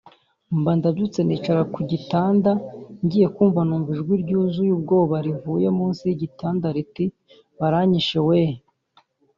Mba ndabyutse nicara ku gitanda ngiye kumva numva ijwi ryuzuye ubwoba rivuye munsi y’igitanda riti “Baranyishe weeee